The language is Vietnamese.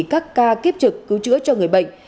các ca kiếp trực cứu chữa cho người bệnh